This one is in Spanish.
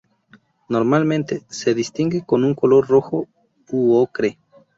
Normalmente, se distingue con un color rojo u ocre.